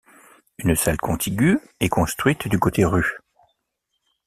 Une salle contiguë est construite du côté rue.